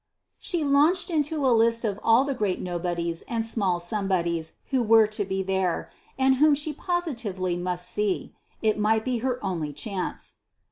She launched into a list of all the great nobodies and small somebodies who were to be there, and whom she positively must see: it might be her only chance.